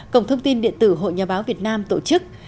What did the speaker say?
cổng thông tin điện tử hội nhà báo việt nam tổ chức